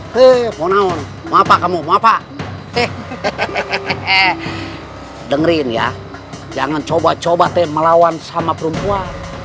hee mau naon mau apa kamu mau apa hehehe dengerin ya jangan coba coba teh melawan sama perempuan